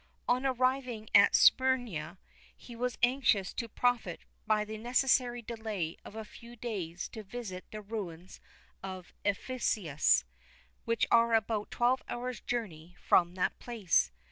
On arriving at Smyrna, he was anxious to profit by the necessary delay of a few days to visit the ruins of Ephesus, which are about twelve hours' journey from that place.